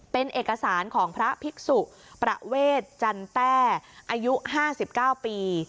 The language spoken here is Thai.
เป็นเอกสารของพระภิกษุประเวทจันแต่อายุห้าสิบเก้าปี